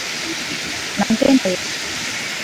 Nampenda yesu Kristo